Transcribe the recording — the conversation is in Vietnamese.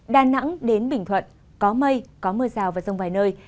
đà nẵng đến bình thuận có mây có mưa rào và rông vài nơi